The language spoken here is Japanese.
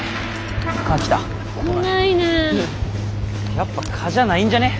やっぱ蚊じゃないんじゃね？